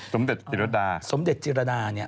สมเด็จจิรดาสมเด็จจิรดา